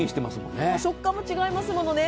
食感も違いますものね。